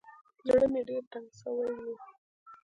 زړه مې ډېر تنګ سوى و.